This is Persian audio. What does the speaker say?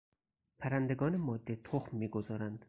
پرندگان ماده تخم میگذارند.